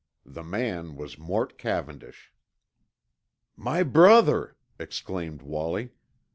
The man was Mort Cavendish. "My brother!" exclaimed Wallie.